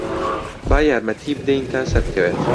با یارمەتیی بدەین تا سەربکەوێت.